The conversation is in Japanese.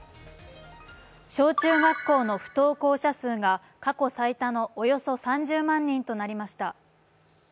小中学校の不登校者数が過去最多のおよそ３０万人となりました。